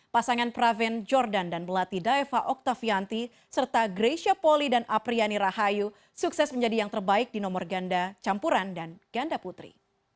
pasangan pravin jordan dan melati daefa oktavianti serta greysia poli dan apriani rahayu sukses menjadi yang terbaik di nomor ganda campuran dan ganda putri